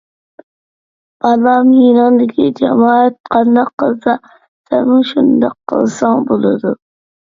بالام، يېنىڭدىكى جامائەت قانداق قىلسا سەنمۇ شۇنداق قىلساڭ بولىدۇ.